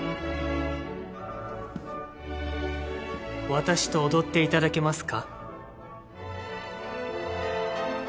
私と踊っていただけますか？